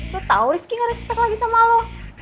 lu tau rifki nge respect lagi sama lu